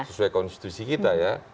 sesuai konstitusi kita ya